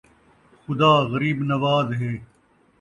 خدا غریب نواز ہے